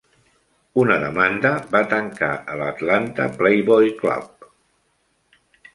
Una demanda va tancar el Atlanta Playboy Club.